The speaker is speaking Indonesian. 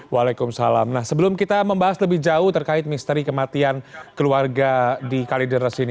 waalaikumsalam nah sebelum kita membahas lebih jauh terkait misteri kematian keluarga di kalideres ini